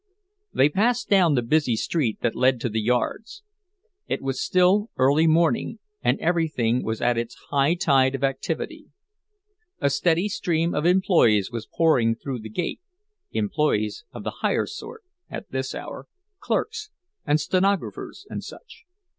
They passed down the busy street that led to the yards. It was still early morning, and everything was at its high tide of activity. A steady stream of employees was pouring through the gate—employees of the higher sort, at this hour, clerks and stenographers and such.